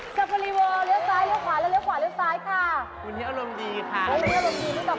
โอ้โฮพี่บ้าหรือเปล่าพี่บ้าหรือเปล่าพี่บ้าหรือเปล่า